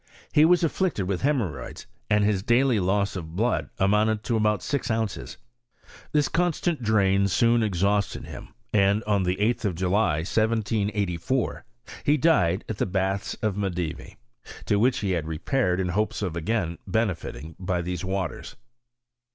He was afflicted with hemorrhoids, and his daily loss of blood amounted to about six ounces. This constant drain soon exhausted him, and on the 8th of July, 1784, he died at the baths of Medevi, to which he had re , paired in hopes of again benefiting by these waters.